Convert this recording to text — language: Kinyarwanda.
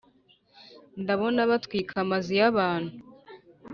ndabona batwika amazu y’abantu